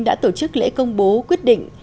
đã tổ chức lễ công bố quyết định